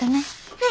はい！